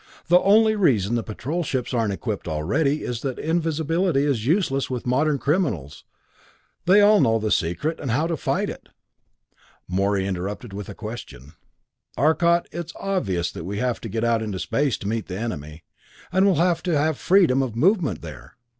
The only reason the patrol ships aren't equipped already is that invisibility is useless with modern criminals; they all know the secret and how to fight it." Morey interrupted with a question. "Arcot, it's obvious that we have to get out into space to meet the enemy and we'll have to have freedom of movement there.